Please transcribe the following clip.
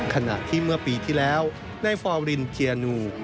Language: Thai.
ขณะที่เมื่อปีที่แล้วในฟอร์รินเจียนู